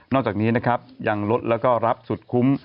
จากนี้นะครับยังลดแล้วก็รับสุดคุ้ม